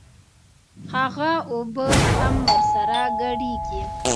هغه اوبه هم ورسره ګډېږي.